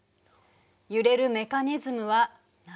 揺れるメカニズムは謎。